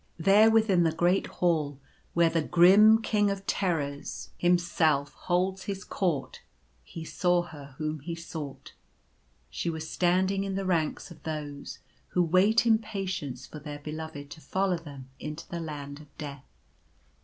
There, within the great Hall where the grim King of I ■ I g ■1 pcr ■:th • si •■» The End of the Quest. I $y Terrors himself holds his court, he saw her whom he sought. She was standing in the ranks of those who wait in patience for their Beloved to follow them into the Land of Death.